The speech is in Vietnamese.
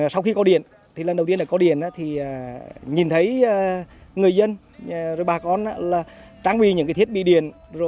sau khi có điện lần đầu tiên có điện nhìn thấy người dân bà con trang bị những thiết bị điện